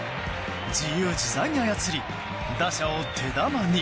自由自在に操り打者を手玉に。